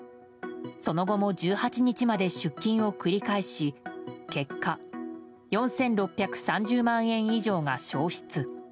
その後も１８日まで出金を繰り返し結果、４６３０万円以上が消失。